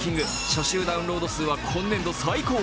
初週ダウンロード数は今年度最高。